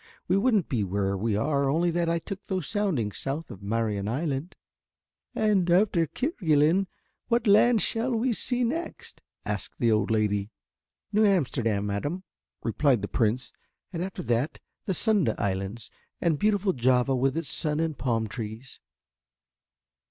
We wouldn't be where we are only that I took those soundings south of Marion Island." "And, after Kerguelen, what land shall we see next?" asked the old lady. "New Amsterdam, madame," replied the Prince, "and after that the Sunda Islands and beautiful Java with its sun and palm trees."